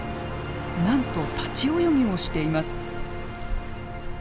なんと立ち泳ぎをしています。